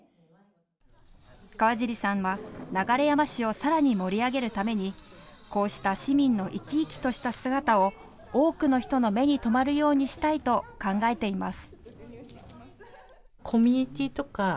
河尻さんは流山市をさらに盛り上げるためにこうした市民の生き生きとした姿を多くの人の目に留まるようにしたいと考えています。